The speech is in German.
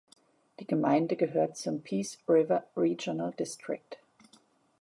Die Gemeinde gehört zum Peace River Regional District.